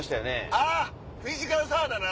あっフィジカルサラダな。